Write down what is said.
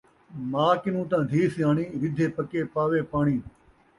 ماء کنوں تاں دھی سیاݨی ، ردّھے پکّے پاوے پاݨی